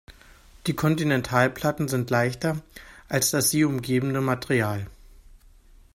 Die Kontinentalplatten sind leichter als das sie umgebende Material.